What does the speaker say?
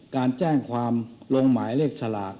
การแจ้งความลงหมายเลขสลาก